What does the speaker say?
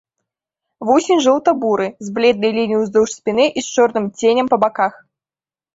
Вусень жоўта-буры, з бледнай лініяй уздоўж спіны і з чорным ценем на баках.